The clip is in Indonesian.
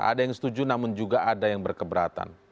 ada yang setuju namun juga ada yang berkeberatan